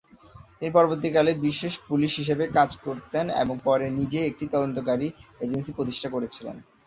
তিনি পরবর্তীকালে বিশেষ পুলিশ হিসেবে কাজ করতেন এবং পরে নিজেই একটি তদন্তকারী এজেন্সি প্রতিষ্ঠা করেছিলেন।